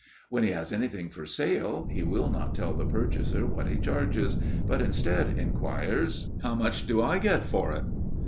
When he has anything for sale, he will not tell the purchaser what he charges, but instead inquires, "How much do I get for it?"